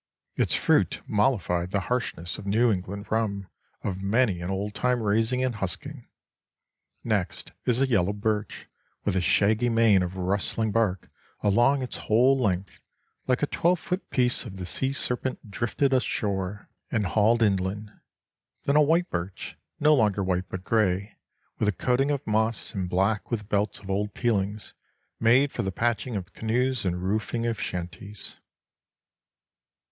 Its fruit mollified the harshness of the New England rum of many an old time raising and husking. Next is a yellow birch with a shaggy mane of rustling bark along its whole length, like a twelve foot piece of the sea serpent drifted ashore and hauled inland; then a white birch, no longer white, but gray with a coating of moss, and black with belts of old peelings, made for the patching of canoes and roofing of shanties.